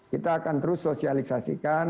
kita akan terus sosialisasikan